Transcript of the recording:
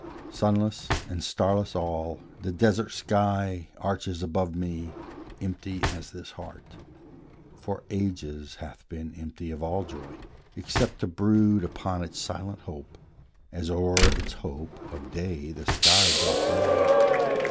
Sunless and starless all, the desert sky Arches above me, empty as this heart For ages hath been empty of all joy, Except to brood upon its silent hope, As o'er its hope of day the sky doth now.